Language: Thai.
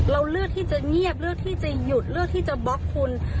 เราเลือกที่จะเงียบเลือกที่จะหยุดเลือกที่จะบล็อกคุณ